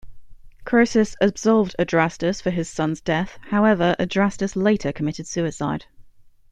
Croesus absolved Adrastus for his son's death; however, Adrastus later committed suicide.